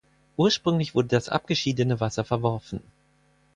Ursprünglich wurde das abgeschiedene Wasser verworfen.